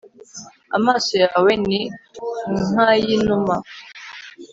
amaso yawe ni nk'ay'inuma